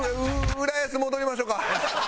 浦安戻りましょか。